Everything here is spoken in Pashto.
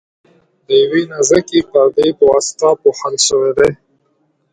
د یوې نازکې پردې په واسطه پوښل شوي دي.